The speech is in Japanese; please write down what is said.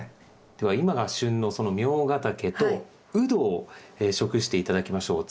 では今が旬のそのミョウガタケとウドを食して頂きましょう。